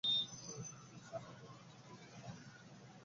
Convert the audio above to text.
তাঁর ভক্তিবিশ্বাসের তুলনা হয় না।